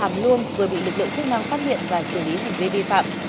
hàm luông vừa bị lực lượng chức năng phát hiện và xử lý hành vi vi phạm